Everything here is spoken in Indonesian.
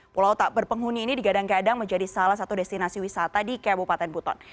pulau tak berpenghuni ini digadang gadang menjadi salah satu destinasi wisata di kabupaten buton